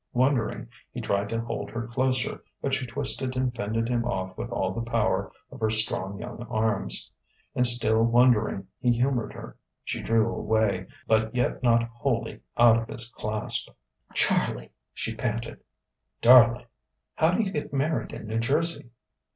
Wondering, he tried to hold her closer, but she twisted and fended him off with all the power of her strong young arms. And still wondering, he humoured her. She drew away, but yet not wholly out of his clasp. "Charlie!" she panted. "Darling!" "How do you get married in New Jersey?"